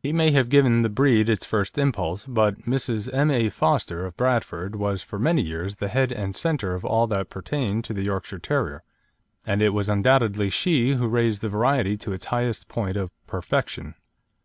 He may have given the breed its first impulse, but Mrs. M. A. Foster, of Bradford, was for many years the head and centre of all that pertained to the Yorkshire Terrier, and it was undoubtedly she who raised the variety to its highest point of perfection.